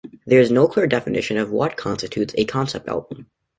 There is no clear definition of what constitutes a "concept album".